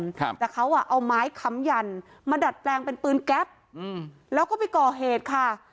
ครับแต่เขาอ่ะเอาไม้ค้ำยันมาดัดแปลงเป็นปืนแก๊ปอืมแล้วก็ไปก่อเหตุค่ะ